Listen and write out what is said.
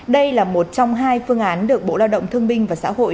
đây là một trong hai phương án được bộ lao động thương binh và xã hội